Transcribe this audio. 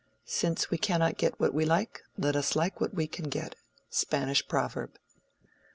Since we cannot get what we like, let us like what we can get.—Spanish Proverb.